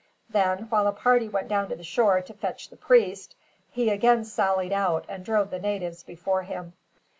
Then, while a party went down to the shore to fetch the priest, he again sallied out and drove the natives before him.